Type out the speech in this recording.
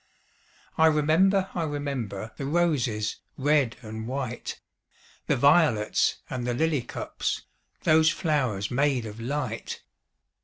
I remember, I remember, The roses, red and white, The violets, and the lily cups, Those flowers made of light!